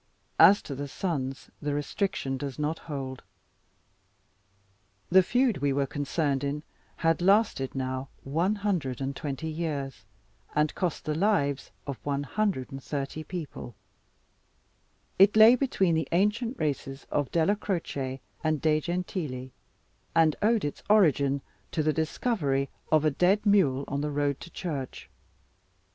As to the sons the restriction does not hold. The feud we were concerned in had lasted now 120 years, and cost the lives of 130 people. It lay between the ancient races of Della Croce, and De Gentili, and owed its origin to the discovery of a dead mule on the road to church.